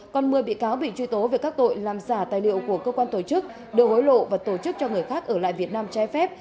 còn một mươi bị cáo bị truy tố về các tội làm giả tài liệu của cơ quan tổ chức đưa hối lộ và tổ chức cho người khác ở lại việt nam trái phép